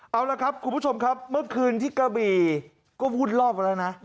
เอาละครับคุณผู้ชมครับเมื่อคืนที่กระบี่ก็พูดรอบไปแล้วนะ